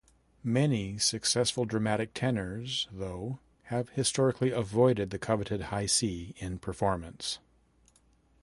Many successful dramatic tenors though have historically avoided the coveted high C in performance.